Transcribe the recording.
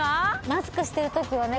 マスクしてるときはね